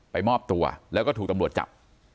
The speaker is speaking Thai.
มอบตัวแล้วก็ถูกตำรวจจับ